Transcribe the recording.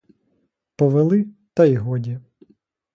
Повели, та й годі!